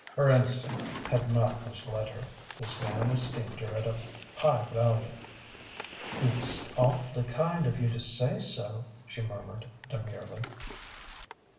Her instinct had not misled her: this man esteemed her at a high value. "It's awf'ly kind of you to say so," she murmured demurely.